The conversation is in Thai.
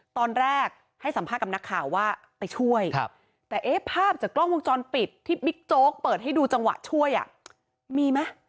ตอนแรกให้สัมภาษณ์กับนักข่าวว่าไปช่วยแต่เอ๊ะภาพจากกล้องวงจรปิดที่บิ๊กโจ๊กเปิดให้ดูจังหวะช่วยมีไหม